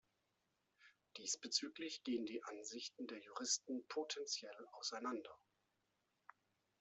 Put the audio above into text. Diesbezüglich gehen die Ansichten der Juristen potenziell auseinander.